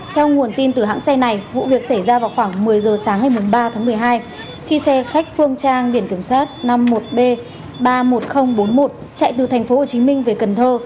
theo nguồn tin từ hãng xe này vụ việc xảy ra vào khoảng một mươi giờ sáng ngày ba tháng một mươi hai khi xe khách phương trang biển kiểm soát năm mươi một b ba mươi một nghìn bốn mươi một chạy từ tp hcm về cần thơ